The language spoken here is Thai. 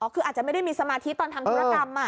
คืออาจจะไม่ได้มีสมาธิตอนทำธุรกรรม